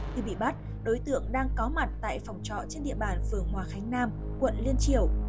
khi bị bắt đối tượng đang có mặt tại phòng trọ trên địa bàn phường hòa khánh nam quận liên triều